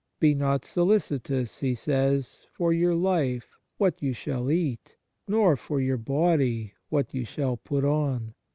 " Be not solicitous," He says, " for your life, what you shall eat; nor for your body, what you shall put on.